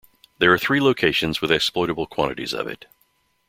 There are three locations with exploitable quantities of it.